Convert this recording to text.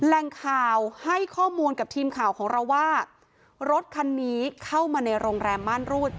แหล่งข่าวให้ข้อมูลกับทีมข่าวของเราว่ารถคันนี้เข้ามาในโรงแรมม่านรูด